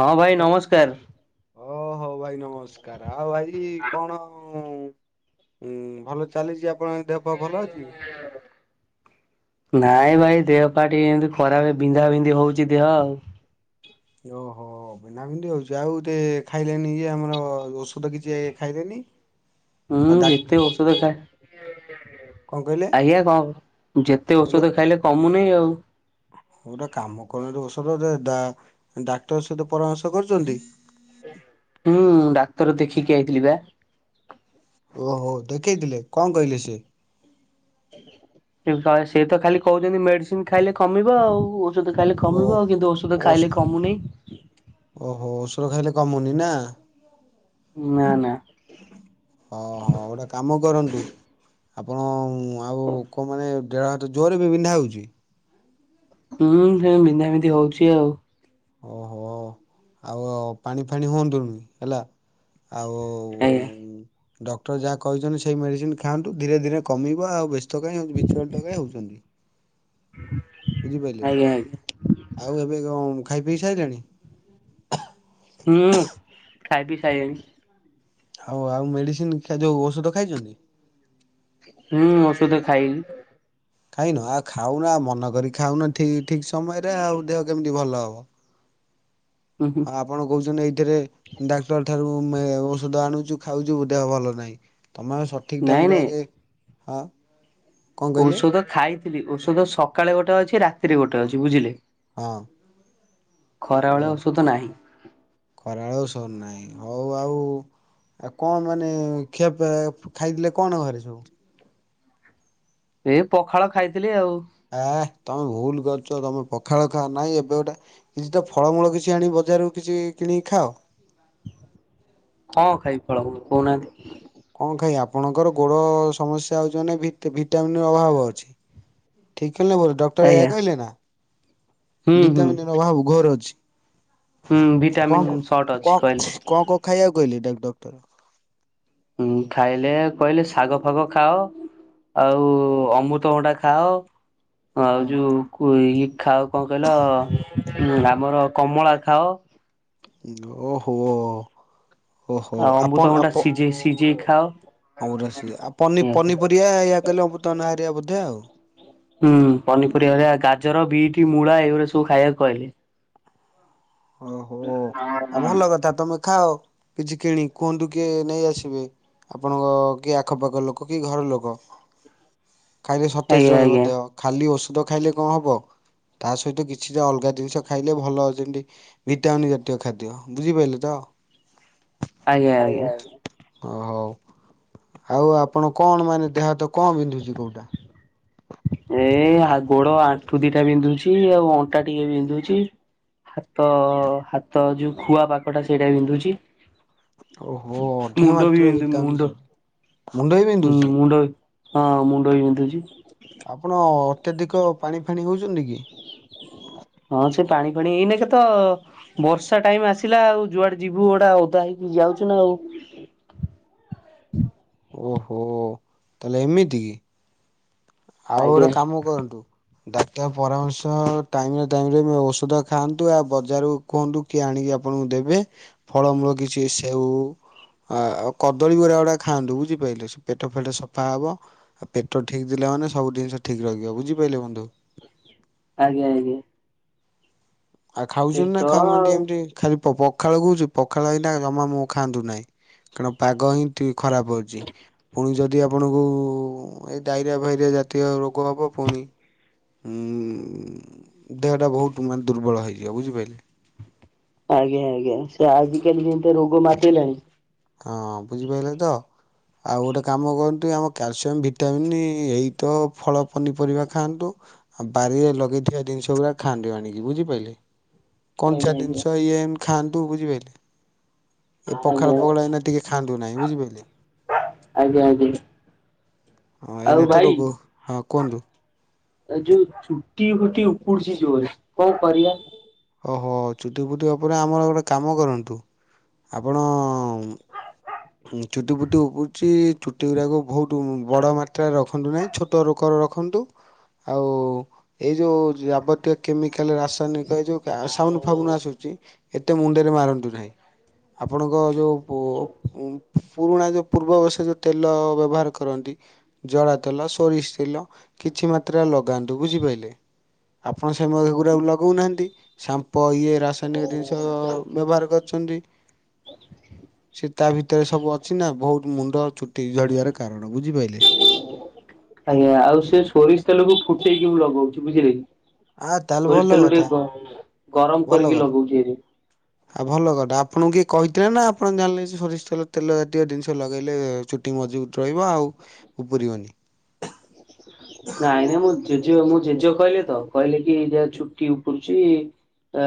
ହଁ ଭାଇ ହ୍ୟାଲୋ ନମସ୍କାର। ଓ ହୋ ଭାଇ ନମସ୍କାର। ଆଉ ଭାଇ କଣ? ଉୁ୍ଁ ଉୁଁ ଭଲ ଚାଲିଛି। ଆପଣଙ୍କ ଦେହ ପା ଭଲ ଅଛି? ନାଇଁ ଭାଇ ଦେହ ପା ଟିକେ ଏମିତି ଖରାପ ବିନ୍ଧା ବିନ୍ଧି ହଉଛି ଦେହ ଆଉ। ଓହୋ ବିନ୍ଧା ବିନ୍ଧି ହଉଛି ଆଉ ତେ ଖାଇଲେନି ଇଏ ଆମର ଔଷଧ କିଛି ଏ ଖାଇଲେନି। ଉଁ ହୁଁ ଆଉ ଡା ଯେତେ ଔଷଧ ଖାଏ। କଣ କହିଲେ ଆଜ୍ଞା କ ଯେତେ ମୁଁ ଔଷଧ ଖାଇଲେ କମୁନି ଆଉ। ହଉ ଟା କାମ କରନି ଔଷଧ ଡା ଡା-ଡାକ୍ତର ସହିତ ପରାମର୍ଶ କରିଛନ୍ତି? ହୁଁ ଡାକ୍ତର ଦେଖିକି ଆଇଥିଲି ପା। ଓହୋ ଦେଖେଇଥିଲେ କଣ କହିଲେ ସେ? ହଁ ସଏ ସିଏ ତ ଖାଲି କହୁଛନ୍ତି ମେଡିସିନ ଖାଇଲେ କମିବ ଆଉ ଔଷଧ ଖାଇଲେ ଓ କମିବ ଆଉ କିନ୍ତୁ ଔଷଧ ଔଷ ଖାଇଲେ କମୁନି। ଓହୋ ଔଷଧ ଖାଇଲେ କମୁନି ନା। ନା ନା। ଅ ହ ଗୋଟେ କାମ କରନ୍ତୁ। ଆପଣ ଉଁ ଆଉ କୋଉ ମାନେ ଡେଳ ହାତ ଜୋରରେ ବି ବିନ୍ଧା ହଉଛି? ହୁଁ ସେ ବିନ୍ଧା ବିନ୍ଧି ହଉଛି ଆଉ। ଓହୋ ଆଉ ପାଣି ଫାଣି ହୁଅନ୍ତୁନି ହେଲା। ଆଉ ଆଜ୍ଞା ଉଁ। ଡକ୍ଟର ଯାହା କହିଛନ୍ତି ସେଇ ମେଡ଼ିସିନ ଖାଆନ୍ତୁ ଧୀରେ ଧୀରେ କମିବ ଆଉ ବ୍ୟସ୍ତ କାଇଁ ହଉଚ ବିଚଳିତ କାଇଁ ହଉଛନ୍ତି? ହୁଁ। ବୁଝିପାଇଲେ ଆଉ ଏବେ କଣ ଖାଇ ପିଇ ସାଇଲେଣି? ହୁଁ ଖାଇ ପି ସାଇଲେଣି। ହଉ ଆଉ ମେଡିସିନ ଖା ଯୋଉ ଔଷଧ ଖାଇଛନ୍ତି? ହୁଁ ଔଷଧ ଖାଇବି। ଖାଇନ ଆଉ ଖାଉନା ମନ କରି ଖାଉନ ଠିକ ଠିକ୍ ସମୟରେ ଆଉ ଦେହ କେମିତି ଭଲ ହବ। ହୁଁ। ହୁଁ ଆଉ ଆପଣ କହୁଛନ୍ତି ଏଇଥିରେ ଡାକ୍ତର ଠାରୁ ମେ ଔଷଧ ଆଣୁଛୁ ଖାଉଛୁ ଦେହ ଭଲ ନାହିଁ। ତମେ ଆଉ ସଠିକ୍ ନାଇଁ ଟାଇମ ରେ ନାଇଁ ଆଗେ ହା। ଔଷଧ ଖାଇଥିଲି ଔଷଧ ସକାଳେ ଗୋଟେ ଅଛି ରାତିରେ ଗୋଟେ ଅଛି। ବୁଝିଲେ? ହଁ। ଖରାବେଳେ ଔଷଧ ନାହିଁ। ଖରାବେଳେ ଔଷଧ ନାହିଁ ହଉ ଆଉ। ଆଉ କଣ ମାନେ ଖିଆ ପିଆ ଖାଇଥିଲେ କଣ ଘରେ ସବୁ? ଏ ପଖାଳ ଖାଇଥିଲି ଆଉ। ଆ ତମେ ଭୁଲ କରୁଛ ତମେ ପଖାଳ ଖାଅ ନାଇଁ ଏବେ ଗୋଟେ କିଛି ଟା ଫଳମୂଳ କିଛି ଆଣି ବଜାରରୁ କିଛି କିଣିକି ଖାଅ। କଣ ଖାଇବି ଫଳମୂଳ କଉନାହାନ୍ତି? କଣ ଖାଇବେ? ଆପଣଙ୍କର ଗୋଡ଼ ସମସ୍ୟା ହେଉଛି ମାନେ ଭିଟା ଭିଟାମିିନର ଅଭାବ ଅଛି। ଠିକି ନା ଭୁଲୁ ଡକ୍ଟର ଆଜ୍ଞା ଏୟା କହିଲେ ନା? ହୁଁ ହୁଁ। ଭିଟାମିନ ର ଅଭାବ ଘୋର ଅଛି। ହୁଁ କଣ ଭିଟାମିନ୍ ସଟ କଣ ଅଛି କହିଲେ। କଣ କଣ ଖାଇବାକୁ କହିଲ ଡକ୍ଟର? ଉୁଁ ଖାଇଲେ କହିଲେ ଶାଗ ଫାଗ ଖାଅ। ଆଉ ଅମୃତଭଣ୍ଡା ଖାଅ ଆଉ ଯୋଉ ଇଏ ଖାଅ କଣ କହିଲ ଆମର କମଳା ଖାଅ। ଓହୋ। ଓହୋ ଆଉ ଆପଣ ଅମ୍ବୃତଭଣ୍ଡା ଆପ ସିଝେଇ ସିଝେଇ ଖାଅ। ଆଉ ପନି ପନିପରିବା ୟା କହିଲେ ଅମୃତଭଣ୍ଡା ହାରିକା ବୋଧେ ଆଉ ହୁଁ ପନିପରିବା ହେରା ଗାଜର, ବିଟ, ମୂଳା, ଏଇଗୁରା ସବୁ ଖାଇବାକୁ କହିଲେ। ଓହୋ ଆଉ ଭଲ କଥା ତମେ ଖାଅ କିଛି କିଣି କୁହନ୍ତୁ କିଏ ନେଇ ଆସିବେ। ଆପଣଙ୍କ କି ଆଖପାଖ ଲୋକ କି ଘର ଲୋକ। ଖାଇଲ ସତେଜ ଆଜ୍ଞା ରହିବ ଆଜ୍ଞା ଦେହ। ଖାଲି ଔଷଧ ଖାଇଲେ କଣ ହେବ? ତା ସହିତ କିଛିଟା ଅଲଗା ଜିନିଷ ଖାଇଲେ ଭଲ ଯେନ୍‌ତି ଭିଟାମିନ ଜାତୀୟ ଖାଦ୍ୟ ବୁଝିପାରିଲ ତ? ଆଜ୍ଞା ଆଜ୍ଞା। ଓ ହଉ ଆଉ ଆପଣ କଣ ମାନେ ଦେହ ହାତ କଣ ବିନ୍ଧୁଛି କୋଉଟା? ଏ ଗୋଡ ଆଣ୍ଠୁ ଦିଟା ବିନ୍ଧୁଛି ଆଉ ଅଣ୍ଟା ଟିକେ ବିନ୍ଧୁଛି। ହାତ ହାତ ଯୋଉ ଖୁଆ ପାଖଟା ସେଇଟା ବିନ୍ଧୁଛି। ଓହୋ ଅଧିକ ମୁଣ୍ଡ ବି ମାତ୍ରାରେ ବିନ୍ଧୁ ଭିଟାମିନି ମୁଣ୍ଡ ସଟ। ହୁଁ ମୁଣ୍ଡ ବି ହଁ ମୁଣ୍ଡ ବି ବିନ୍ଧୁଛି। ଆପଣ ଅତ୍ୟଧିକ ପାଣି ଫାଣି ହୋଉଚନ୍ତି କି? ହଁ ସେ ପାଣିଫାଣି ଏଇ ନେ କେ [unintelligible] ବର୍ଷା ଟାଇମ ଆସିଲା ଆଉ ଯୁଆଡେ ଯିବୁ ଗୁଡା ଓଦା ହେଇକି ଯାଉଚୁ ନା ଆଉ। ଓହୋ ତାହେଲେ ଏମିତି କି? ଆଉ ଆଜ୍ଞା ଗୋଟେ କାମ କରନ୍ତୁ? ଡାକ୍ତର ପରାମର୍ଶ ଟାଇମରେ ଟାଇମରେ ଔଷଧ ଖାଆନ୍ତୁ ଆଉ ବଜାରରୁ କୁହନ୍ତୁ କିଏ ଆଣିକି ଆପଣଙ୍କୁ ଦେବେ ଫଳମୂଳ କିଛି ସେଉ ଆ ଆଉ କଦଳୀ ଗୁରା ଗୁଡା ଖାଆନ୍ତୁ ବୁଝିପାରିଲେ ସେ ପେଟ ଫେଟ ସଫା ହବ, ପେଟ ଠିକ ପିଲାମାନେ ସବୁ ଜିନିଷ ଠିକ୍ ରଖିବ, ବୁଝିପାରିଲେ ବନ୍ଧୁ। ଆଜ୍ଞା ଆଜ୍ଞା। ଆଉ ଖାଉଛନ୍ତି ପେଟ ନା ଖାଉନା ଟିକେ ଆଉ ଏମିତି ଖାଲି ପଖାଳ [unintelligible] ପଖାଳ ଲଗ ଜମା ଖାଆନ୍ତୁ ନାହିଁ, କାରଣ ପାଗ ହିଁ ଠିକ୍ ଖରାପ ଅଛି, ପୁଣି ଯଦି ଯଦି ଆପଣଙ୍କୁ ଏ ଡାଇରିଆ ଫାଇରିଆ ଜାତୀୟ ରୋଗ ହବ ପୁଣି ଉଁ ଦେହ ଟା ବୋହୁତ ମାନେ ଦୁର୍ବଳ ହେଇଯିବ ବୁଝିପାରିଲେ? ଆଜ୍ଞା ଆଜ୍ଞା, ସେ ଆଜିକାଲି ଯେମିତି ରୋଗ ମାତିଲାଣି ହଁ ବୁଝିପାରିଲେ ତ? ଆଉ ଗୋଟେ କାମ କରନ୍ତୁ, ଆମ କ୍ୟାଲସିୟମ୍ ଭିଟାମିନ୍ ଏଇ ତ ଫଳ ପନିପରିବା ଖାଆନ୍ତୁ। ଆଉ ବାରିରେ ଲଗେଇଥିବା ଜିନିଷ ଗୁଡ଼ା ଖାଆନ୍ତୁ ଆଣିକି, ବୁଝିପାରିଲେ? କଞ୍ଚା ଆଜ୍ଞା ଆଜ୍ଞା। ଜିନିଷ ଇଏ ଏମିତି ଖାଆନ୍ତୁ ବୁଝିପାରିଲେ, ଏ ପଖାଳ ଆଜ୍ଞା ସବୁବେଳେ ଏନା ଟିକେ ଖାଆନ୍ତୁ ନାହିଁ ବୁଝିପାରିଲେ? ଆଜ୍ଞା ଆଜ୍ଞା। ହଁ ଆଉ ଏଇନ ତ ଭାଇ ରୋଗ ହଁ କୁହନ୍ତୁ? ଏ ଯୋଉ ଚୁଟି ଫୁଟି ଉପୁଡିଚି ଜୋରେ କଣ କରିବା? ଓ ହୋ ଚୁଟି ଫୁଟିବା ଉପରେ ଆମର ଗୋଟେ କାମ କରନ୍ତୁ, ଆପଣ ଚୁଟି ପୁଟି ଉପୁଛି ଚୁଟି ଗୁଡାକ ବହୁତ ବଡ ମାତ୍ରାରେ ରଖନ୍ତୁ ନାହିଁ। ଛୋଟ [unintelligible] ରଖନ୍ତୁ ଆଉ ଏଇ ଯେଉଁ ଯାବତୀୟ କେମିକାଲ ରାସାୟନିକ ଏ ଯୋଉ ସାବୁନ ଫାବୁନ ଆସୁଛି ଏତେ ମୁଣ୍ଡରେ ମାରନ୍ତୁ ନାହିଁ। ଆପଣଙ୍କ ଯୋଉ କୋ ପୁରୁଣା ଯେଉଁ ପୂର୍ବବସ ଯେଉଁ ତେଲ ବ୍ୟବହାର କରନ୍ତି। ଜଡ଼ା ତେଲ, ସୋରିଷ ତେଲ, କିଛି ମାତ୍ରାରେ ଲଗାନ୍ତୁ, ବୁଝିପାରିଲେ? ଆପଣ ସେଇ [unintelligible] ଗୁରାକ ଲଗାଉନାହାନ୍ତି ସାମ୍ପ ଇଏ ରା ସାନ୍ୟ ଜିନିଷ ବ୍ୟବହାର କରିଚନ୍ତି। ତା ଭିତରେ ସବୁ ଅଛି ନା ବୋହୁତ ମୁଣ୍ଡ ଚୁଟି ଝଡିବାର କାରଣ ବୁଝିପାରିଲେ। ଆଜ୍ଞା ଆଉ ସେ ସୋରିଷ ତଲେକୁ ଫୁଟେଇକି ମୁଁ ଲଗଉଚି, ବୁଝିଲେ କି? ଆ ତାହେଲେ ସୋରିଷ ଭଲ ତେଲକୁ ଟିକେ କଥା ଗମ୍ ଗରମ ଭଲ କରିକି କଥା ଲଗଉଚି ଏବେ। ଆଉ ଭଲ କଟା ଆପଣଙ୍କୁ କିଏ କହିଥିଲେ ନା ଆପଣ ଜାଣିଲେ ସରିଷ ତେଲ ତେଲ ଜାତୀୟ ଜିନିଷ ଲଗେଇଲେ ଚୁ ମଜବୁତ୍ ରହିବ, ଆଉ ଉପୁରିବନି। [unintelligible] ଜେଜେ ମୁଁ ଜେଜେ କହିଲି ତ କହିଲେ କି ଯାହା ଛୁଟି ଉପୁରୁଚି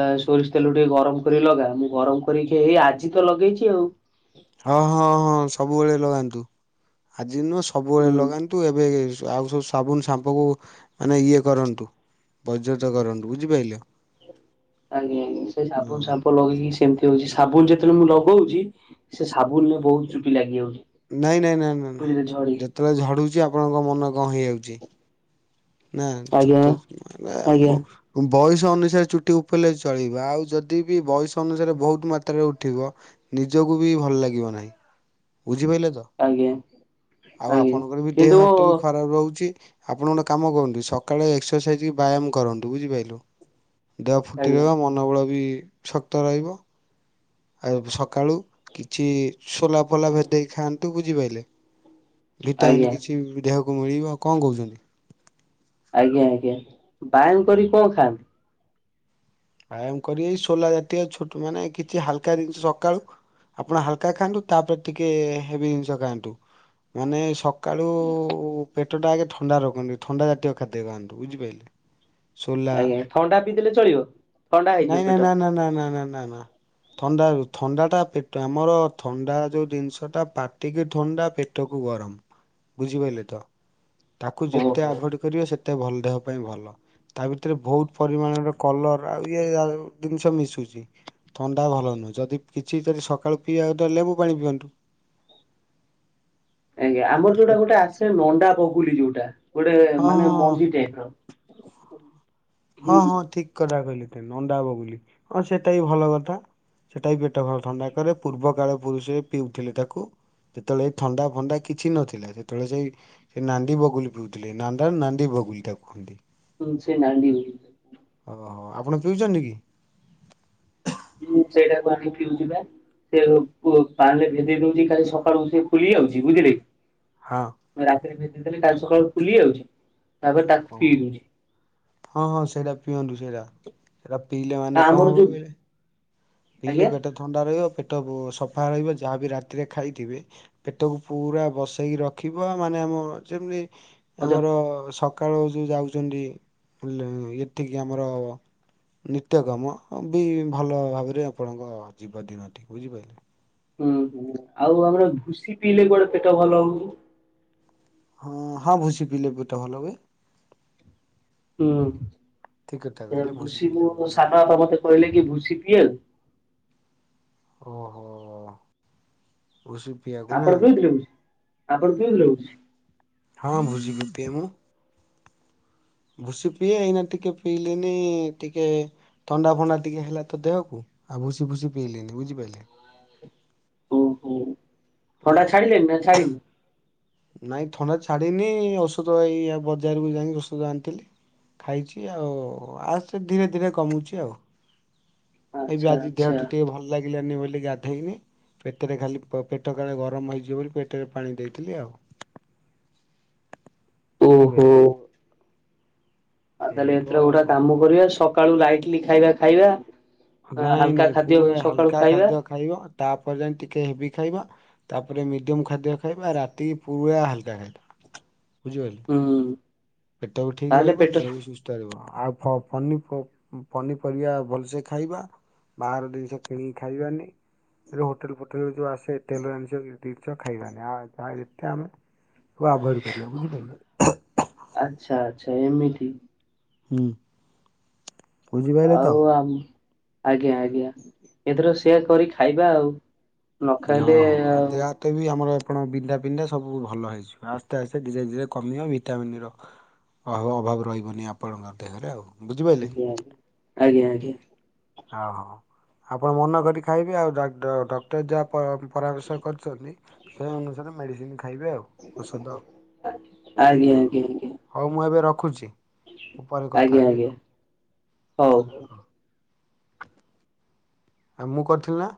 ଆ ସୋରିଷ ତେଲକୁ ଟିକେ ଗରମ କରି ଲଗା, ମୁଁ ଗରମ କରିକି ଏଇ ଆଜି ତ ଲଗେଇଚି ଆଉ। ହଁ ହଁ ହଁ ସବୁବେଳେ ଲଗାନ୍ତୁ। ଆଜି ନୁହଁ ହୁଁ ସବୁବେଳେ ଲଗାନ୍ତୁ ଏବେ ଆଉ ସବୁ ସ ସାବୁନ ସାମ୍ପକୁ ମାନେ ଇଏ କରନ୍ତୁ, ବର୍ଜିତ କରନ୍ତୁ ବୁଝିପାଇଲେ। ଆଜ୍ଞା ଆଜ୍ଞା ସେ ସାବୁନ ସାମ୍ପ ଲଗେଇକି ସେମତି ହଉଚି ସାବୁନ ଯେତେବେଳେ ମୁଁ ଲଗଉଚି ସେ ସାବୁନରେ ବୋହୁତ ଚୁଟି ଲାଗିଯାଉଚି। ନାଇଁ ନାଇଁ ନାଇଁ ନାଇଁ ନା ଯେତେବେଳେ ଝାଡୁଛି ଆପଣଙ୍କ ମନ କଣ ହେଇଯାଉଚି। ନା ଆଜ୍ଞା ଛତୁସ୍ ନୂଆନୂଆ ଆଜ୍ଞା ଆମ୍ବ। ବୟସ ଅନୁସାରେ ଚୁଟି ଉପୁଡ଼ିଲେ ଚଳିବ, ଆଉ ଯଦି ବି ବୟସ ଅନୁସାରେ ବହୁତ ମାତ୍ରାରେ ଉଠିବ ନିଜକୁ ବି ଭଲ ଲାଗିବ ନାହିଁ, ବୁଝିପାରିଲେ ତ? ଆଜ୍ଞା। ଆଉ ଆଜ୍ଞା ଆପଣଙ୍କର ବି ଦେହ କିନ୍ତୁ ହାତ ବି ଖରାପ୍ ରହୁଚି। ଆପଣ ଗୋଟେ କାମ କରନ୍ତୁ ସକାଳେ ଏକ୍ସରସାଇଜ କି ବ୍ୟାୟାମ କରନ୍ତୁ ବୁଝିପାରିଲୁ। ଦେହ ଫୁଟି ଆଜ୍ଞା ରହିବ ମନୋବଳ ବି ଶକ୍ତ ରହିବ। ଆଉ ସକାଳୁ କିଛି ସୋଲା ଫୋଲା ଭେଦେଇ ଖାଆନ୍ତୁ ବୁଝିପାରିଲେ। ଭିଟାମିନ୍ ଆଜ୍ଞା କିଛି ଦେହକୁ ମିଳିବ କଣ କହୁଛନ୍ତି। ଆଜ୍ଞା ଆଜ୍ଞା ବାୟାମ୍ କରି କଣ ଖାଆନ୍ତି? ଆୟାମ୍ କରି ସୋଲା ଜାତୀୟ ଛୋଟ ମାନେ କିଛି ହାଲକା ଜିନିଷ ସକାଳୁ ଆପଣ ହାଲକା ଖାଆନ୍ତୁ ତାପରେ ଟିକେ ହେବି ଜିନିଷ ଖାଆନ୍ତୁ। ମାନେ ସ କାଳୁ ପେଟ ଟା ଆଗେ ଥଣ୍ଡା ରଖନ୍ତୁ। ଥଣ୍ଡା ଜାତୀୟ ଖାଦ୍ୟ ଖାଆନ୍ତୁ ବୁଝିପାରିଲେ। ସୋଲା ଆଜ୍ଞା ଥଣ୍ଡା ପିଇଦେଲେ ଚଳିବ? ଥଣ୍ଡା ହେଇଯିବ ନାଇଁ ପେଟ। ନା-ନା-ନା-ନା-ନା-ନା-ନା-ନା। ଥଣ୍ଡା ଥଣ୍ଡାଟା ପେଟ ଆମର ଥଣ୍ଡା ଯୋଉ ଜିନିଷଟା ପା ଟିକେ ଥଣ୍ଡା ପେଟକୁ ଗରମ ବୁଝିପାରିଲେ ତ ତାକୁ ଯେତେ ଓହୋ। ଆଭାଡ କରିବ ସେତ ଭଲ ଦେହ ପାଇଁ ଭଲ ତା ଭିତରେ ବହୁତ ପରିମାଣର କଲର ଆଉ ଇଏ ଜିନିଷ ମିଶୁଚି। ଥଣ୍ଡା ଭଲ ନୁହଁ ଯିଦି କିଛି ଯଦି ସକାଳୁ ପିଇବାକୁ ଲେମ୍ବୁ ପାଣି ପିଅନ୍ତୁ। ଆଜ୍ଞା ଆମର ଯୋଉଟା ଗୋଟେ ଆସେ ନଣ୍ଡା ବଗୁଲି ଯୋଉଟା ଗୋଟେ ହଁ ହଁ ମାନେ ହଁ ମଞ୍ଜି ଟାଇପ୍ ର। ହୁଁ ହଁ-ହଁ- ଠିକ୍ କଥା କହିଲେ ତ ନଣ୍ଡା ବଗୁଲି ହଁ ସେଟା ବି ଭଲ କଥା। ସେଇଟା ବି ପେଟ ଭଲ ଥଣ୍ଡା କରେ ପୂର୍ବ କାଳ ପୁରୁଷରେ ପିଉଥିଲେ ତାକୁ ଯେତେବେଳେ ଏଇ ଥଣ୍ଡା ଫଣ୍ଡା କିଛି ନଥିଲା ସେତେବେଳେ ସେଇ ସେ ନାଣ୍ଡି ବଗୁଲି ପିଉଥିଲେ ନାଣ୍ଡାର ନାନ୍ଦ ବଗୁଲି ତାକୁୁହନ୍ତି। ହୁଁ ସେ ନାଡି ହୁଁ। ଓହୋ ଆପଣ ପିଉଚନ୍ତି କି? ହୁଁ ସେଇଟାକୁ ଆଣି ଫିଉଚିବା। ସେ ପାଣି ରେ ଭେଦେଇ ଦଉଚି କାଲି ସକାଳୁଠି ଫୁଲି ଯାଉଚି ବୁଝିଲେ। ହଁ। ମୁଁ ରାତିରେ ଭେଦେ ଦେଲେ କାଲି ସକାଳୁ ଫୁଲି ଯାଉଛି ତାପରେ ତାକୁ ଫିଉଛି। ହଁ-ହଁ- ସେଇଟା ପିଅନ୍ତୁ ସେଇଟା ସେଟା ପିଇଲେ ମାନେ କଣ ଆମର ହବ ଯୋଉ କହିଲେ? ପିଇଲେ ଆଜ୍ଞା ପେଟ ଥଣ୍ଡା ରହିବ ପେଟ ସଫା ରହିବ ଯାହାବି ରାତିରେ ଖାଇଥିବେ। ପେଟକୁ ପୁରା ବସେଇକି ରଖିବ ମାନେ ଆମ ଯେମିତି ଅଜ ଆମର ସ ସକାଳୁ ଯୋଉ ଯାଉଛନ୍ତି ପୁଲେ ଏତିକି ଆମର। ନିତ୍ୟ କାମ ବି ଭଲ ଭାବରେ ଆପଣଙ୍କ ଯିବ ଦିନଟି ବୁଝିପାରିଲେ। ହୁଁ ହୁଁ ଆଉ ଆମର ଭୁଶି ପିଇଲେ କୁଆଡେ ପେଟ ଭଲ ହଉଚି। ହଁ ହଁ ଭୁଶି ପିଇଲେ ପେଟ ଭଲହୁଏ। ଠିକ କଥା ହୁଁ କହିଲେ ଭୁସି ପିଇଲେ ବି କୁ ଭଲ ସାଧା [unintelligible] କହିଲେ କି ଭୁସି ପିବାକୁ। ଓହୋ ଭୁଷି। ଆପଣ କେମିତି ଲାଗୁଛି ଆପଣ କେମିତି ଲାଗୁଚି। ହଁ ଭୁଷି ବି ପିଏ ମୁଁ। ଭୁସି ପିଏ ଏଇନା ଟିକେ ପିଇଲେନି ଟିକେ ଥଣ୍ଡା ଫଣ୍ଡା ଟିକେ ହେଲା ତ ଦେହକୁ ଆଉ ଭୁସି ଫୁସି ପିଇଲିନି ବୁଝିପାରିଲେ। ଓହୋ ଥଣ୍ଡା ଓହୋ ଛାଡ଼ିିଲାନି ନା ଛାଡ଼ିିନି। ନାଇଁ ଥଣ୍ଡା ଛାଡିିନି ଔଷଧ ଏଇ ବଜାରକୁ ଯାଇକି ଔଷଧ ଆଣିଥିଲି। ଖାଇଛି ଆଉ ଆସେ ଧୀରେ ଧୀରେ କମୁଛି ଆଉ। ଏଇବେ ଆଚ୍ଛା ଆଜି ଦେହ ଟ ଆଚ୍ଛା ଟିକେ ଭଲ ଲାଗିଲାନି ବୋଲି ଗାଧେଇନି। ପେଟରେ ଖାଲି ପେଟ କାଳେ ଗରମ ହେଇଯିବ ବୋଲି ପେଟରେ ପାଣି ଦେଇଥିଲି ଆଉ। ଓହୋ। ବୁଝିପାରିଲେ। ଆଉ ଏଇ ତାହେଲେ ଏଥର ଗୋଟେ ତ କାମ କରିବା ସକାଳୁ ଲାଇଟଲି ଖାଇବା ଖାଇବା। ନାଇଁ ହାଲକା ନାଇଁ ଖାଦ୍ୟ ପୁରା ସକାଳୁ ହାଲକା ଖାଇବା। ଖାଦ୍ୟ ଖାଇବ ତାପରେ ଯାଇ ଟିକେ ହେଭି ଖାଇବା, ତାପରେ ମିଡିୟମ ଖାଦ୍ୟ ଖାଇବା ରାତି ପୁରା ହାଲକା ଖାଦ୍ୟ। ବୁଝିପାଇଲୁ? ହୁଁ। ପେଟ ବି ଠିକ ତାହେଲେ ରହିବ ପେଟ ଦେହ ବି ସୁସ୍ଥ ଆଉ ପନି ପନିପରିବା ଭଲସେ ଖାଇବା ବାହାର ଜିନିଷ କିଣିକି ଖାଇବାନି। ହୋଟେଲ ଫୋଟେଲ ଯୋଉ ଆସେ ତେଲ ଜିନିଷ କିଛି ଖାଇବାନି ଯହା ଯେତେ ଆମେ ସବୁ ଆଭଏ୍ଡ଼ କରିବା ବୁଝିପାରିଲେ? ଆଚ୍ଛା ଆଚ୍ଛା ଏମିତି। ହୁଁ। ବୁଝିପାରିଲେ ତ ଆଉ ଆ ଆଜ୍ଞା ଆଜ୍ଞା ଏଥର ସେଆ କରି ଖାଇବା ଆଉ। ନ ଖାଇଲେ ଆଉ ତତେ ବି ଆମର ଆପଣ ବିନ୍ଧା ପିନ୍ଧା ସବୁ ଭଲ ହେଇଯିବ ଆସ୍ତେ ଆସ୍ତେ ଧୀରେ ଧୀରେ କମିିବ ଭିଟାମିନ ର ଆଉ ଅଭାବ ରହିବନି ଆପଣଙ୍କ ଦେହରେ ଆଉ। ବୁଝିପାରିଲେ। ଆଜ୍ଞା ଆଜ୍ଞା ଆଜ୍ଞା। ଓ ହଉ ଆପଣ ମନ କରି ଖାଇବେ ଆଉ ଡ-ଡକ୍ଟର ଯାହା ପ ପରାମର୍ଶ କରିଛନ୍ତି ସେ ଅନୁସାରେ ମେଡ଼ିସିନ ଖାଇବେ ଆଉ। ଔଷଧ, ଆଜ୍ଞା ଆଜ୍ଞା ଆଜ୍ଞା ହଉ ଆଜ୍ଞା ହଉ ମୁଁ ଏବେ ରଖୁଛି। ମୁଁ ପରେ କଥା ଆଜ୍ଞା ହେବି ଆଜ୍ଞା ଆଉ ହଉ। ଆଉ ମୁଁ କରିଥିଲି ନା?